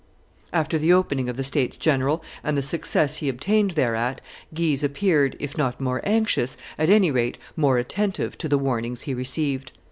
After the opening of the states general and the success he obtained thereat, Guise appeared, if not more anxious, at any rate more attentive to the warnings he received.